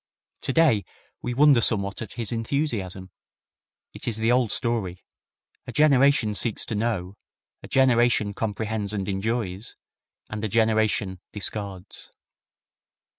Today we wonder somewhat at his enthusiasm. It is the old story a generation seeks to know, a generation comprehends and enjoys, and a generation discards.